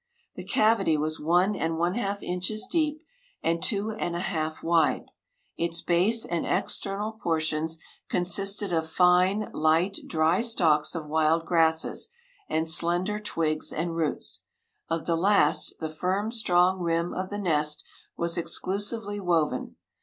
The cavity was one and one half inches deep and two and a half wide. Its base and external portions consisted of fine, light dry stalks of wild grasses, and slender twigs and roots. Of the last the firm, strong rim of the nest was exclusively woven.